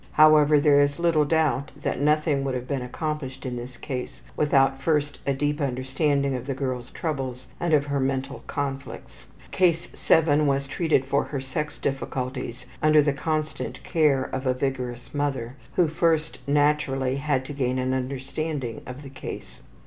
However, there is little doubt that nothing would have been accomplished in this case without first a deep understanding of the girl's troubles and of her mental conflicts. Case 7 was treated for her sex difficulties under the constant care of a vigorous mother, who first, naturally, had to gain an understanding of the case.